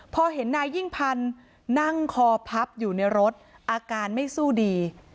พอเห็นนายยิ่งพันธ์นั่งคอพับอยู่ในรถอาการไม่สู้ดี